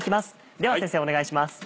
では先生お願いします。